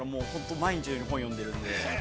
毎日のように本を読んでるので。